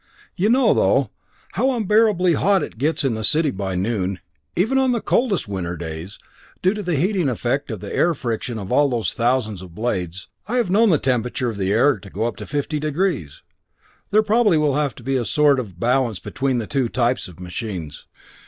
You know, though, how unbearably hot it gets in the city by noon, even on the coldest winter days, due to the heating effect of the air friction of all those thousands of blades. I have known the temperature of the air to go up fifty degrees. There probably will have to be a sort of balance between the two types of machines.